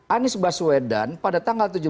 anies baswedan pada tanggal tujuh belas